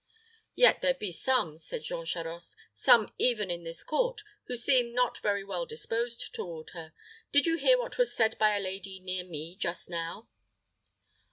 "Yet there be some," said Jean Charost; "some, even in this court, who seem not very well disposed toward her. Did you hear what was said by a lady near me just now?"